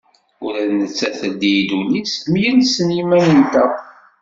Ula d nettat teldi-yi-d ul-is, myelsen yimanen-nteɣ.